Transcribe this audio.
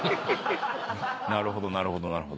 なるほどなるほど。